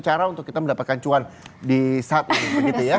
cara untuk kita mendapatkan cuan di saat ini begitu ya